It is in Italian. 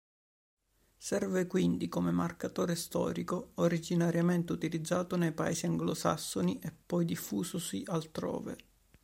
Serve quindi come marcatore storico, originariamente utilizzato nei paesi anglosassoni e poi diffusosi altrove.